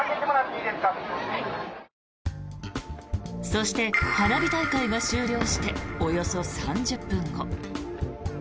そして、花火大会が終了しておよそ３０分後。